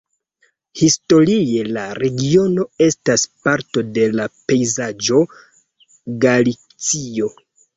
Historie la regiono estas parto de la pejzaĝo Galicio.